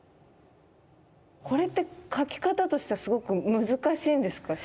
これって描き方としてはすごく難しいんですか？